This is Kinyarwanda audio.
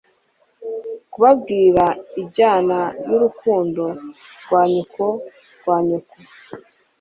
Kubabwira injyana yurukundo rwa nyoko rwa nyoko